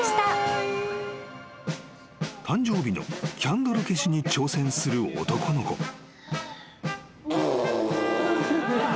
［誕生日のキャンドル消しに挑戦する男の子］